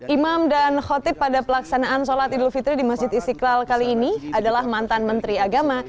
imam dan khotib pada pelaksanaan sholat idul fitri di masjid istiqlal kali ini adalah mantan menteri agama